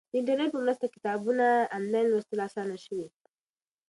د انټرنیټ په مرسته کتابونه آنلاین لوستل اسانه شوي.